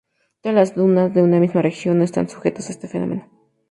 Todas las dunas de una misma región no están sujetos a este fenómeno.